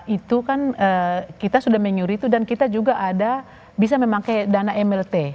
itu kan kita sudah menyuruh itu dan kita juga ada bisa memakai dana mlt